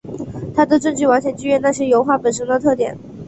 他的证据完全基于那些油画本身的特点。